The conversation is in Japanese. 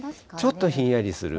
ちょっとひんやりする。